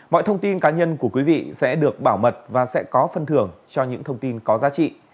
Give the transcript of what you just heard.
mọi thông tin cá nhân của quý vị sẽ được bảo mật và sẽ có phân thưởng cho những thông tin có giá trị